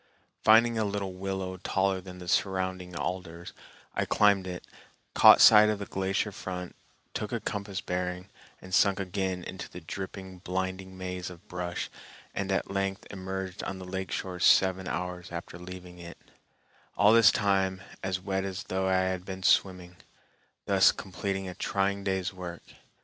Finding a little willow taller than the surrounding alders, I climbed it, caught sight of the glacier front, took a compass bearing, and sunk again into the dripping, blinding maze of brush, and at length emerged on the lake shore seven hours after leaving it, all this time as wet as though I had been swimming, thus completing a trying day's work.